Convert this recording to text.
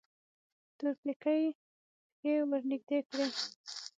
تورپيکۍ پښې ورنږدې کړې.